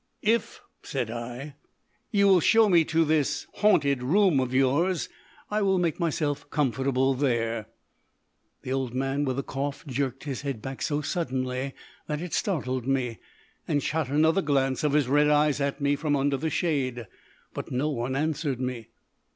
"If," said I, "you will show me to this haunted room of yours, I will make myself comfortable there." The old man with the cough jerked his head back so suddenly that it startled me, and shot another glance of his red eyes at me from under the shade; but no one answered me.